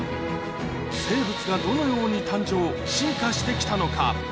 生物がどのように誕生進化して来たのか